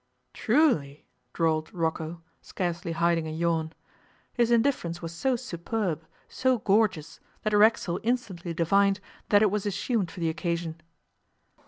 'Truly?' drawled Rocco, scarcely hiding a yawn. His indifference was so superb, so gorgeous, that Racksole instantly divined that it was assumed for the occasion.